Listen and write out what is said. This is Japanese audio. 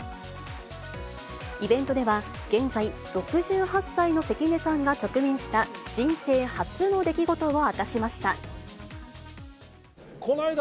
イベントでは、現在６８歳の関根さんが直面した、人生初の出来事を明かしました。